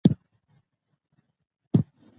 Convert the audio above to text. ژبې د افغانستان د انرژۍ سکتور برخه ده.